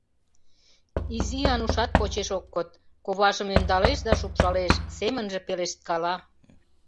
Изи Анушат почеш ок код, коважым ӧндалеш да шупшалеш, семынже пелешткала: